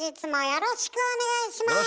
よろしくお願いします。